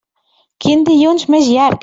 Quin dilluns més llarg!